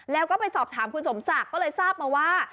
แล้วก็ไปสอบถามคุณสมศักดิ์ก็เลยทราบมาว่า